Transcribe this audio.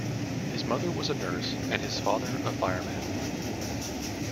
His mother was a nurse and his father a fireman.